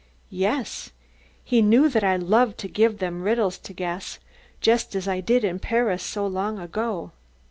"Yes. He knew that I loved to give them riddles to guess, just as I did in Paris so long ago."